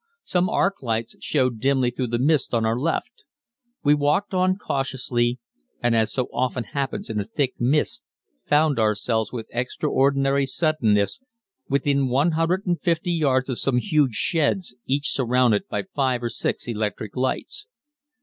Some arc lights showed dimly through the mist on our left. We walked on cautiously, and as so often happens in a thick mist found ourselves with extraordinary suddenness within 150 yards of some huge sheds each surrounded by five or six electric lights.